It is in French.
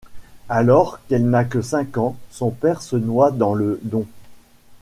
Alors qu'elle n'a que cinq ans, son père se noie dans le Don.